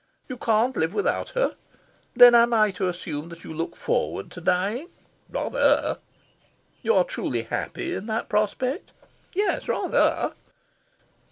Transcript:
"You can't live without her? Then I am to assume that you look forward to dying?" "Rather." "You are truly happy in that prospect?" "Yes. Rather."